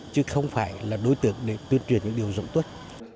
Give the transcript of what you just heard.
chứ không phải là đối tượng để tuyên truyền những điều dưỡng tuất